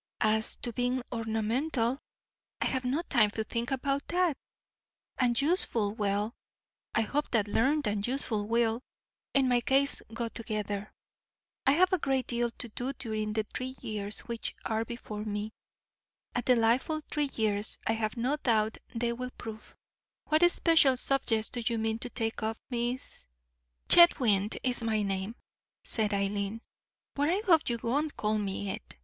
As to being ornamental, I have no time to think about that; and useful—well, I hope that learned and useful will, in my case, go together. I have a great deal to do during the three years which are before me—a delightful three years I have no doubt they will prove. What special subjects do you mean to take up, Miss——" "Chetwynd is my name," said Eileen; "but I hope you won't call me it.